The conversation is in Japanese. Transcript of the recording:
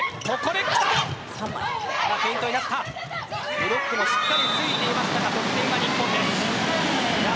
ブロックもしっかりついていましたが得点は日本です。